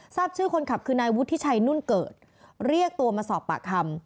ทราบชื่อคนขับคือนายวุฒิชัยนุ่นเกิดเรียกตัวมาสอบปากคำ